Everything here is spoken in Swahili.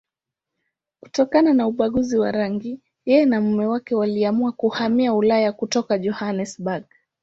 Kutokana na ubaguzi wa rangi, yeye na mume wake waliamua kuhamia Ulaya kutoka Johannesburg.